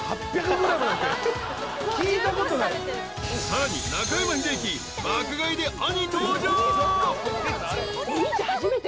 ［さらに中山秀征爆買いで兄登場］